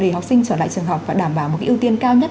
để học sinh trở lại trường học và đảm bảo một cái ưu tiên cao nhất